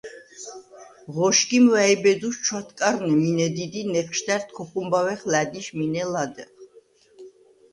ღოშგიმ ვა̈იბედუშვ ჩვათკარვნე მინე დიდ ი ნეჴშდა̈რდ ქოხუმბავეხ ლა̈დიშ მინე ლადეღ.